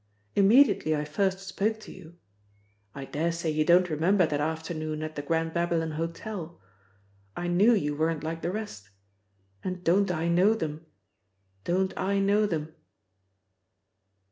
Immediately I first spoke to you I daresay you don't remember that afternoon at the Grand Babylon Hotel I knew you weren't like the rest. And don't I know them? Don't I know them?"